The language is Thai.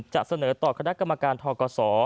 จะเสนอต่อคณะกรรมการทกศ